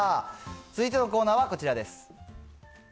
続いてのコーナーはこちらです。